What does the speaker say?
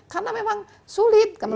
karena memang sulit